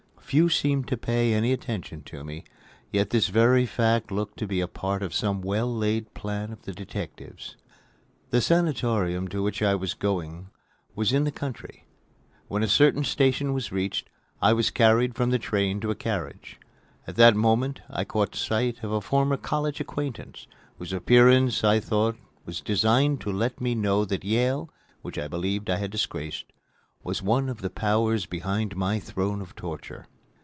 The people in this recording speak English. Few seemed to pay any attention to me, yet this very fact looked to be a part of some well laid plan of the detectives. The sanatorium to which I was going was in the country. When a certain station was reached, I was carried from the train to a carriage. At that moment I caught sight of a former college acquaintance, whose appearance I thought was designed to let me know that Yale, which I believed I had disgraced, was one of the powers behind my throne of torture.